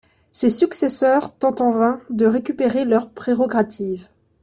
Ses successeurs tentent en vain de récupérer leurs prérogatives.